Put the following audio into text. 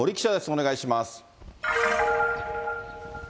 お願いします。